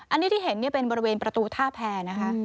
อันนี้ที่เห็นเป็นบริเวณประตูท่าแพรนะคะ